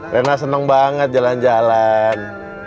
rena senang banget jalan jalan